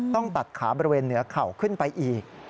ต้องตัดขาบริเวณเหนือเข่าขึ้นไปอีก